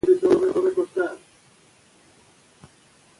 که هوا وي نو فشار نه ورکېږي.